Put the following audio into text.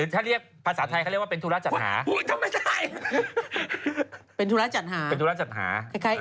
ถ้าเรียกภาษาไทยเขาเรียกว่าเป็นทุราชจัดหา